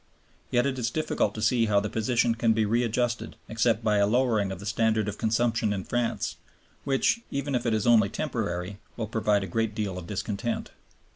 Yet it is difficult to see how the position can be readjusted except by a lowering of the standard of consumption in France, which, even if it is only temporary, will provoke a great deal of discontent.